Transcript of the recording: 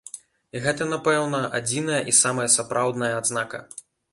І гэта, напэўна, адзіная і самая сапраўдная адзнака.